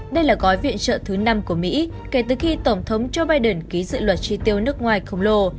đây là gói viện trợ thứ năm của mỹ kể từ khi tổng thống joe biden ký dự luật tri tiêu nước ngoài khổng lồ